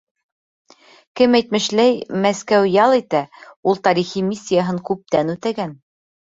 Кем әйтмешләй, Мәскәү ял итә, ул тарихи миссияһын күптән үтәгән.